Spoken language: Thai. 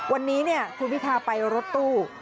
วันนี้คุณพิทาไปรถตู้